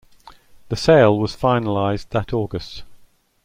The sale was finalized that August.